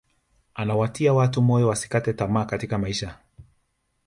anawatia watu moyo wasikate tamaa katika maisha